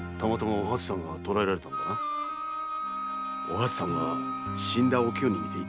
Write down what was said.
お初さんは死んだおきよに似ていた。